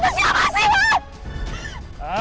itu siapa sih mas